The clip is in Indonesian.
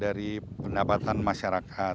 dari pendapatan masyarakat